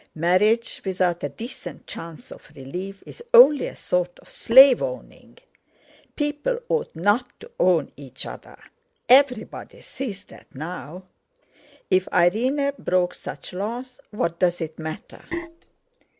Marriage without a decent chance of relief is only a sort of slave owning; people oughtn't to own each other. Everybody sees that now. If Irene broke such laws, what does it matter?"